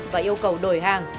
và yêu cầu đổi hàng